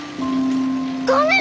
ごめん！